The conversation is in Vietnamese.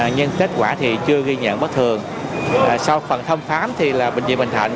nhưng kết quả thì chưa ghi nhận bất thường sau phần thông phám thì là bệnh viện bình thạnh